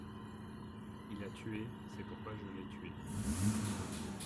Il a tué, c'est pourquoi je l'ai tué.